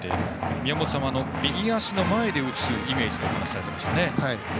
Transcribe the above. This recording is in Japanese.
宮本さんは右足の前で打つイメージとお話されていましたね。